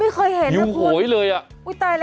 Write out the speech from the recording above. ไม่เคยเห็นนะครับคุณอุ๊ยตายแล้วปลาช่อนอยู่หวยเลย